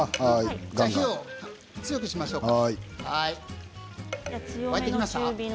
火を強くしましょうか。